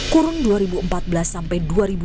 kurun dua ribu empat belas sampai dua ribu dua puluh